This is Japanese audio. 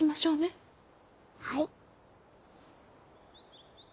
はい！